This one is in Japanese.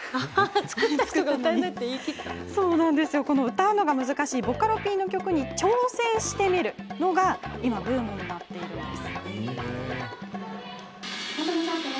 歌うのが難しいボカロＰの曲に挑戦してみるのが今、ブームになっているんです。